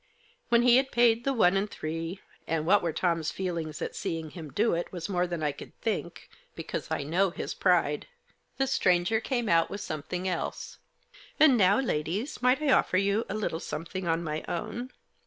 When he had paid the one and three, and what were Tom's feelings at seeing him do it was more than I could think, because I know his pride, the stranger came out with something else. 8 THE JOSS. " And now, ladies, might I offer you a little some thing on my own.